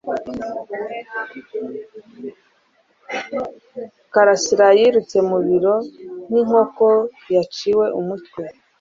Karasira yirutse mu biro nk'inkoko yaciwe umutwe.